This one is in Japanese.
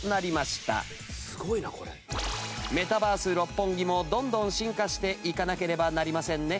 メタバース六本木もどんどん進化していかなければなりませんね。